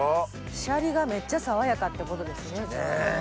シャリがめっちゃ爽やかってことですね。